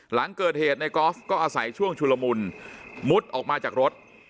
หลังเกิดเหตุในกอล์ฟก็อาศัยช่วงชุลมุนมุดออกมาจากรถ